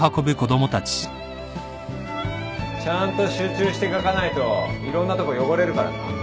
ちゃんと集中して書かないといろんなとこ汚れるからな。